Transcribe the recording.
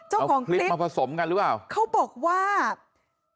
เอาคลิปมาผสมกันหรือเปล่าเจ้าของคลิปเขาบอกว่า